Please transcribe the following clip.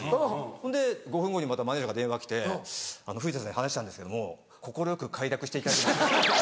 ほんで５分後にまたマネジャーから電話が来て「藤田さんに話したんですけども快く快諾していただきました」。